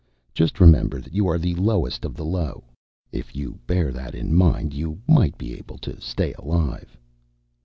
Just remember that you are the lowest of the low. If you bear that in mind, you might be able to stay alive."